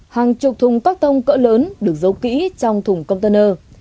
hàng chục thùng các tông cỡ lớn được giấu kỹ trong thùng container